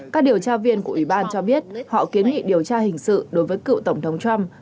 các điều tra viên của ủy ban cho biết họ kiến nghị điều tra hình sự đối với cựu tổng thống trump